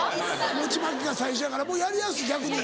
餅まきが最初やからもうやりやすい逆に。